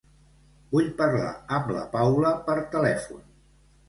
Vull parlar amb la Paula per telèfon.